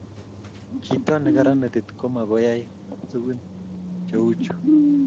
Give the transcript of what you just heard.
tchito ne karan metit ko magoy koyai tugun che uu chuu